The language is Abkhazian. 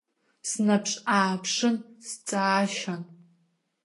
Снаԥш-ааԥшын, сҵаашан.